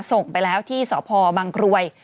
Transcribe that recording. ส่งไปแล้วที่สพบังกรวย